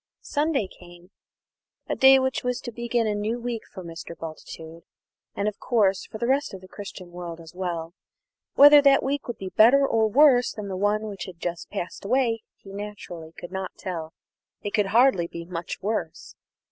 Ibid. Sunday came a day which was to begin a new week for Mr. Bultitude, and, of course, for the rest of the Christian world as well. Whether that week would be better or worse than the one which had just passed away he naturally could not tell it could hardly be much worse.